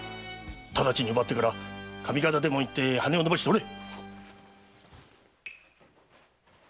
直ちに奪ってから上方でも行き羽を伸ばしておれ！